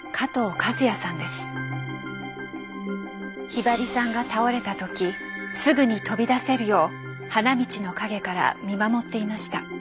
ひばりさんが倒れた時すぐに飛び出せるよう花道の陰から見守っていました。